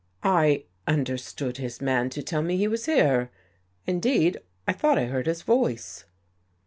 " I — understood his man to tell me he was here. Indeed, I thought I heard his voice."